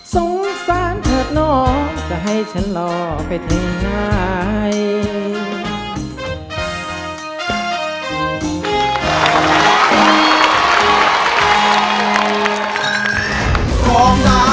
สงสารเธอหนอจะให้ฉันรอไปที่ไหน